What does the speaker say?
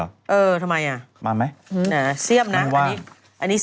เออทำไมน่ะมาไหมมันว่าง